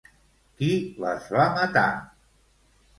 Qui les va matar?